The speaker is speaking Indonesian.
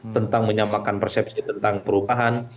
tentang menyamakan persepsi tentang perubahan